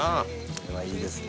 これはいいですな